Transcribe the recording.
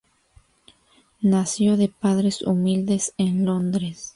Nació de padres humildes en Londres.